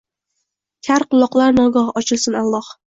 Kar quloqlar nogoh ochilsin, Alloh